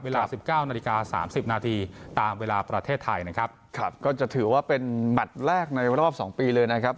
เวลาสิบเก้านาฬิกา๓๐นาทีตามเวลาประเทศไทยนะครับครับก็จะถือว่าเป็นแมทแรกในรอบสองปีเลยนะครับ